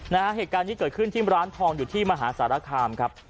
เหตุการณ์นี้เกิดขึ้นที่ร้านทองอยู่ที่มหาสารคามครับ